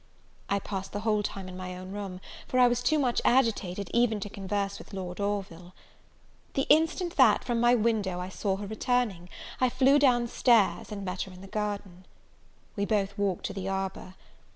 I passed the whole time in my own room, for I was too much agitated even to converse with Lord Orville. The instant that, from my window, I saw her returning, I flew down stairs, and met her in the garden. We both walked to the arbour.